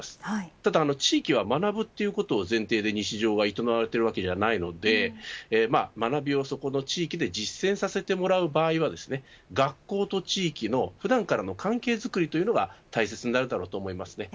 ただ地域は学ぶということを前提で日常が行われているわけではないので地域で実践させてもらう場合は学校と地域の普段からの関係というのが大切になると思います。